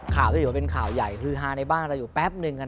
ข่าวก็ถือว่าเป็นข่าวใหญ่ฮือฮาในบ้านเราอยู่แป๊บหนึ่ง